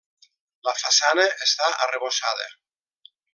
La façana està arrebossada.